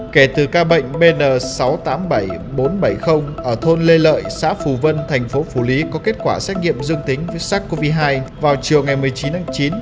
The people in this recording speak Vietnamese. kể từ ca bệnh bn sáu trăm tám mươi bảy bốn trăm bảy mươi ở thôn lê lợi xã phù vân thành phố phủ lý có kết quả xét nghiệm dương tính với sars cov hai vào chiều ngày một mươi chín tháng chín